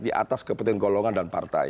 di atas kepentingan golongan dan partai